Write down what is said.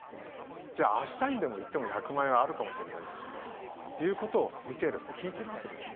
じゃあ、明日にでも行っても１００万円はあるかもしれないということを見てる、聞いてるわけですね。